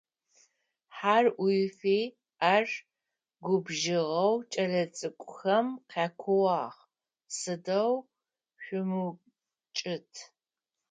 Хьэр ӏуифи, ар губжыгъэу кӏэлэцӏыкӏухэм къякууагъ: Сыдэу шъумыукӏытӏ.